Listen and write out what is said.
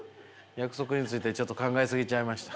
約束についてちょっと考え過ぎちゃいました。